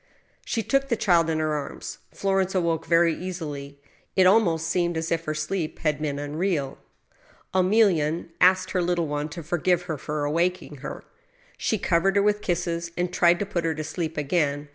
She took the child in her arms. Florence awoke very easily. It almost seemed as if her sleep had been unreal. Emilienne asked her little one to forgive her for awaking her. She covered her with kisses, and tried to put her to sleep again.